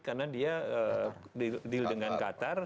karena dia deal dengan qatar